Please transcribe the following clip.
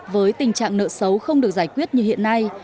với tình trạng nợ xấu không được giải quyết như hiện nay